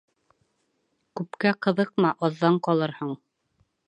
Күпкә ҡыҙыҡма, аҙҙан ҡалырһың.